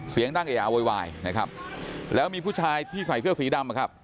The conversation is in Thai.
นั่งเออโวยวายนะครับแล้วมีผู้ชายที่ใส่เสื้อสีดำนะครับ